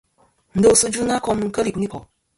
Ndosɨ dvɨnɨsɨ a kom nɨn kel ikunikò'.